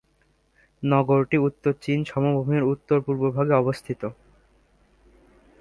নগরীটি উত্তর চীন সমভূমির উত্তর-পূর্বভাগে অবস্থিত।